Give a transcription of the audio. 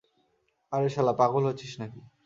আরে শালা, পাগল হয়েছিস নাকি?